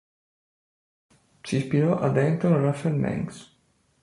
Si ispirò ad Anton Raphael Mengs.